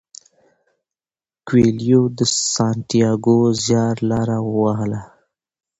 کویلیو د سانتیاګو زیارلاره ووهله.